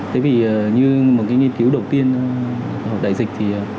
tại vì như một nghiên cứu đầu tiên đại dịch thì